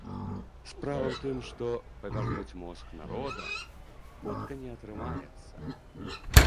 Справа ў тым, што павярнуць мозг народа хутка не атрымаецца.